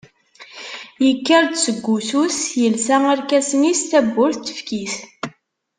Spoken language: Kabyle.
Yekker-d seg wussu-s, yelsa arkasen-is, tawwurt tefk-it.